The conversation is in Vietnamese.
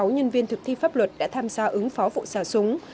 ba trăm bảy mươi sáu nhân viên thực thi pháp luật đã tham gia ứng phó vụ xả súng